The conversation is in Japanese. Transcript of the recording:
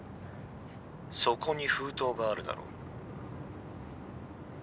そこに封筒があるだろ？